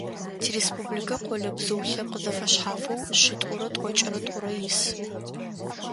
Тиреспубликэ къолэбзыу лъэпкъ зэфэшъхьафэу шъитӏурэ тӏокӏырэ тӏурэ ис.